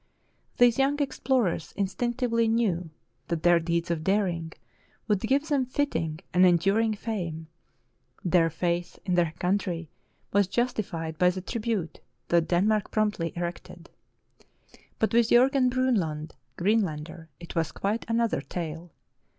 These young explorers instinctively knew that their deeds of daring would give them fitting and enduring fame. Their faith in their country was justified by the tribute that Denmark promptly erected. But with Jorgen Bronlund, Greenlander, it was quite another tale.